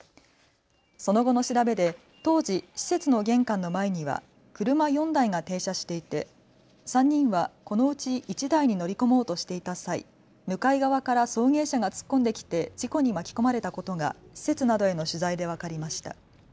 その後の調べで当時、施設の玄関の前には車４台が停車していて３人はこのうち１台に乗り込もうとしていた際、向かい側から送迎車が突っ込んできて事故に巻き込まれたことが施設などへの取材で分かりました。